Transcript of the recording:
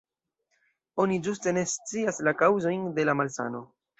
Oni ĝuste ne scias la kaŭzojn de la malsano.